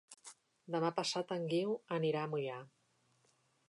Demà passat en Guiu anirà a Moià.